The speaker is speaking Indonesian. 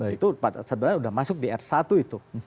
itu sebenarnya sudah masuk di r satu itu